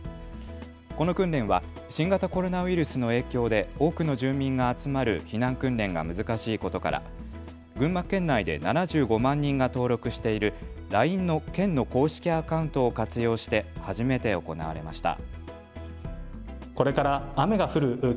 この訓練は新型コロナウイルスの影響で多くの住民が集まる避難訓練が難しいことから群馬県内で７５万人が登録しているＬＩＮＥの県の公式アカウントを活用して初めて行われました。